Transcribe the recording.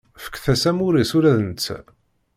Fket-as amur-is ula d netta.